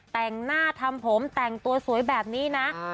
แต่งหน้าทำผมแต่งตัวสวยแบบนี้นะ